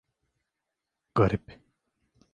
Garip.